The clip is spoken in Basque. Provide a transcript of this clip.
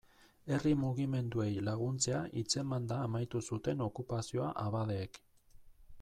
Herri mugimenduei laguntzea hitzemanda amaitu zuten okupazioa abadeek.